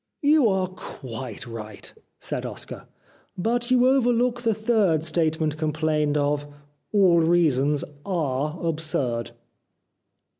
" You are quite right," said Oscar, " but you overlook the third statement complained of. All reasons are absurd